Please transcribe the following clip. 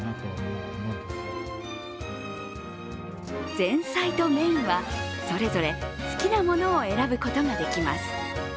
前菜とメインはそれぞれ好きなものを選ぶことができます。